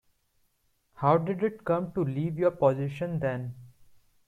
How did it come to leave your possession then?